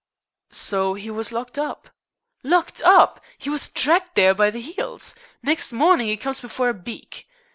"So he was locked up?" "Locked up! 'E was dragged there by the 'eels. Next mornin' 'e comes before the beak.